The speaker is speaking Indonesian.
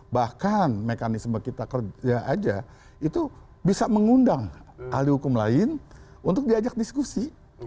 bahkan mekanisme kita kerja aja itu bisa mengundang ahli hukum lain untuk diajak diskusi